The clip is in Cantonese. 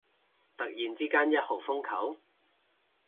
突然之間一號風球？